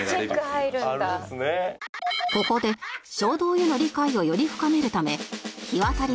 ここで衝動への理解をより深めるためひわたり